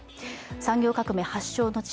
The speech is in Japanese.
産業革命発祥の地・